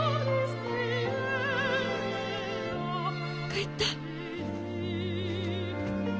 帰った？